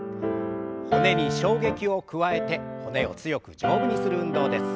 骨に衝撃を加えて骨を強く丈夫にする運動です。